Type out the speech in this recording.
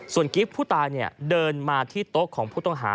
ส่วนกิฟต์ผู้ตายเดินมาที่โต๊ะของผู้ต้องหา